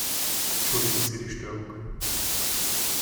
Entschuldigen Sie die Störung!